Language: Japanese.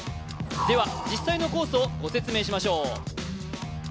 では実際のコースをご説明しましょう。